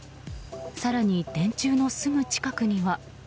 更に、電柱のすぐ近くには。